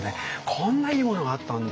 こんないいものがあったんだ！